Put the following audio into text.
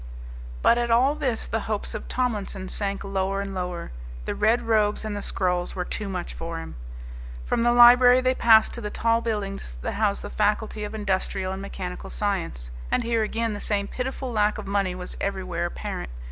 But at all this the hopes of Tomlinson sank lower and lower. The red robes and the scrolls were too much for him. From the library they passed to the tall buildings that housed the faculty of industrial and mechanical science. And here again the same pitiful lack of money was everywhere apparent.